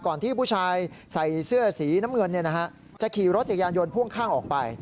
ที่ผู้ชายใส่เสื้อสีน้ำเงินจะขี่รถจักรยานยนต์พ่วงข้างออกไป